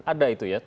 ada itu ya